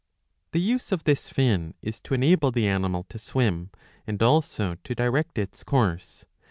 The use of this fin is to enable the animal to swim, and also to direct its course.